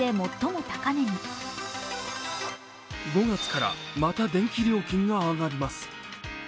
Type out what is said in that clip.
５月からまた電気料金が上がります。